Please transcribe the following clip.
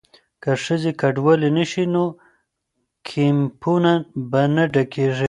که ښځې کډوالې نه شي نو کیمپونه به نه ډکیږي.